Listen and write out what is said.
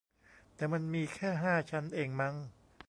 แต่มันมีแค่ห้าชั้นเองมั้ง